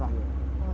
dan ini memang